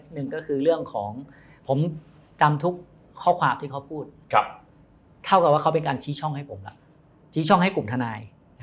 หนึ่งก็คือเรื่องของผมจำทุกข้อความที่เขาพูดเท่ากับว่าเขาเป็นการชี้ช่องให้ผมล่ะชี้ช่องให้กลุ่มทนาย